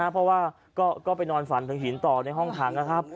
เพราะว่าก็ไปนอนฝันถึงหินต่อในห้องขังนะครับ